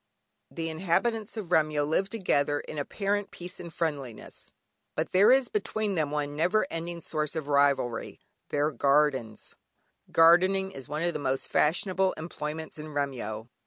The inhabitants of Remyo live together in apparent peace and friendliness, but there is between them one never ending source of rivalry, i.e. their gardens. Gardening is one of the most fashionable employments in Remyo.